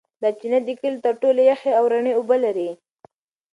دا چینه د کلي تر ټولو یخې او رڼې اوبه لري.